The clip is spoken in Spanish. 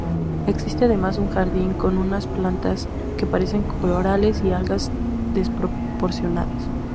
Existe, además, un jardín con unas plantas que parecen corales y algas desproporcionadas.